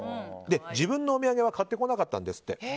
自分のお土産は買ってこなかったんですって。